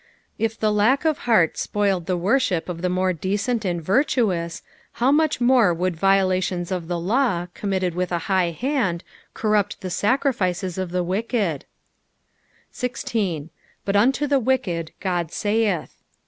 If the lack of heart spoiled the woiship of the more decent and virtuous, how much more would viulations of the law, committed with a bigh hand, corrupt the sacriSces of the wicked t IR. "But ^nU) ihe meted Ood taith."